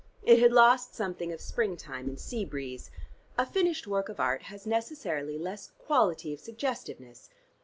It had lost something of springtime and sea breeze. A finished work of art has necessarily less quality of suggestiveness.